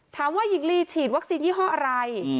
ถามว่าหญิงลีฉีดวัคซีนยี่ห้ออะไร